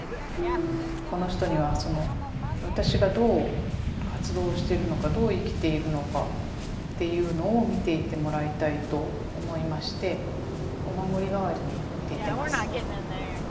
この人には私がどう活動してるのかどう生きているのかっていうのを見ていてもらいたいと思いましてお守り代わりに入れてます。